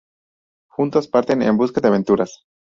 Juntos parten en busca de aventuras.